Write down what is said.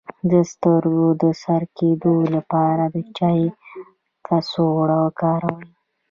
د سترګو د سره کیدو لپاره د چای کڅوړه وکاروئ